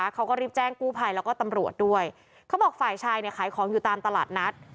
เขาก็รีบแจ้งกู้ภัยแล้วก็ตำรวจด้วยเขาบอกฝ่ายชายเนี่ยขายของอยู่ตามตลาดนัด